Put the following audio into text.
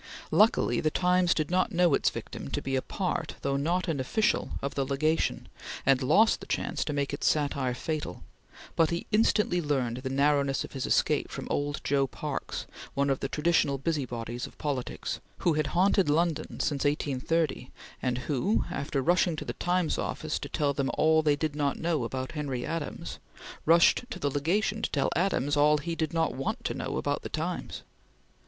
Luckily the Times did not know its victim to be a part, though not an official, of the Legation, and lost the chance to make its satire fatal; but he instantly learned the narrowness of his escape from old Joe Parkes, one of the traditional busy bodies of politics, who had haunted London since 1830, and who, after rushing to the Times office, to tell them all they did not know about Henry Adams, rushed to the Legation to tell Adams all he did not want to know about the Times.